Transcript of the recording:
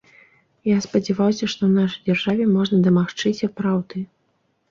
Я спадзяваўся, што ў нашай дзяржаве можна дамагчыся праўды.